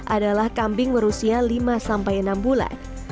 adalah kambing berusia lima sampai enam bulan